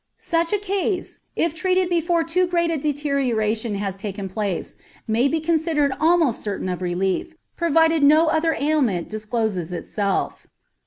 Such a case, if treated before too great a deterioration has taken place, may be considered almost certain of relief, provided no other ailment discloses itself.